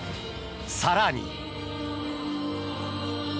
更に。